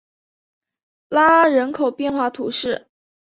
拉阿人口变化图示